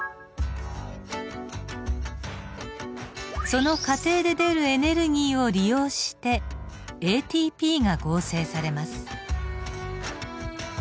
その過程で出るエネルギーを利用してＡＴＰが合成されます。